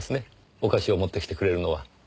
お菓子を持ってきてくれるのは。